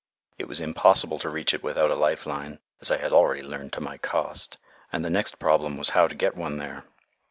It was impossible to reach it without a life line, as I had already learned to my cost, and the next problem was how to get one there.